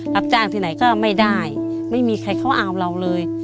รับจ้างที่ไหนก็ไม่ได้ไม่มีใครเขาเอาเราเลย